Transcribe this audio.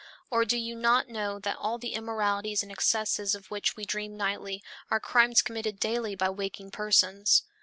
Or do you not know that all the immoralities and excesses of which we dream nightly are crimes committed daily by waking persons?